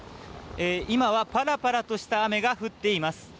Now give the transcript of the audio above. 今はパラパラとした雨が降っています。